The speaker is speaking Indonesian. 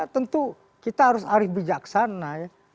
tentu kita harus arih bijaksana